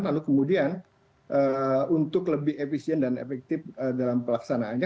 lalu kemudian untuk lebih efisien dan efektif dalam pelaksanaannya